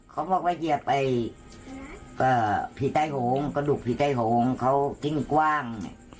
เค้าบอกว่าเหยียบไปกระดูกผีตายโหงเค้ากิ้งกว้าง